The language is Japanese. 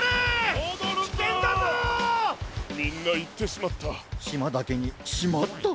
みんないってしまった。